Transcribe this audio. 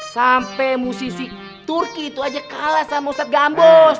sampai musisi turki itu aja kalah sama ustadz gambus